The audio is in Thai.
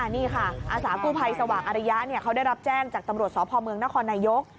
นี่ค่ะอาสากู้ภัยสว่างอริยะเขาได้รับแจ้งจากตำรวจสพเมืองนครนายก